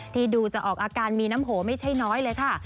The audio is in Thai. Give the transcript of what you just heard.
ดูจะออกอาการมีน้ำโหไม่ใช่น้อยเลยค่ะ